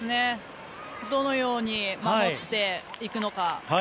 どのように守っていくのか。